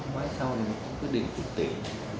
mai sau thì quyết định thực tế